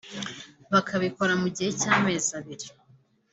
bakabikora mu gihe cy’amezi abiri